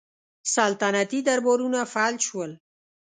سلطنتي دربارونه فلج شول